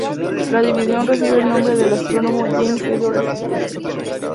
La división recibe el nombre del astrónomo James Edward Keeler.